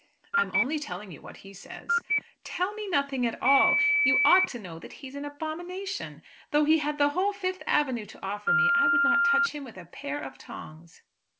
"I am only telling you what he says." "Tell me nothing at all. You ought to know that he is an abomination. Though he had the whole Fifth Avenue to offer to me I would not touch him with a pair of tongs."